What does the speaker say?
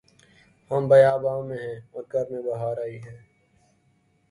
ہم بیاباں میں ہیں اور گھر میں بہار آئی ہے